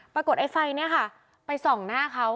ไอ้ไฟเนี่ยค่ะไปส่องหน้าเขา